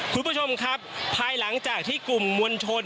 คุณผู้ชมครับภายหลังจากที่กลุ่มมวลชน